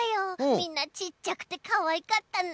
みんなちっちゃくてかわいかったな。